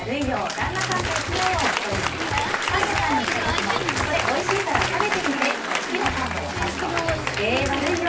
旦那さんと行きなよと言いパン屋さんに行った時もこれ、おいしいから食べてみてと好きなパンを渡すとえー、悪いよ。